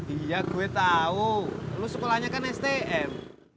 iya gue tahu lu sekolahnya kan stm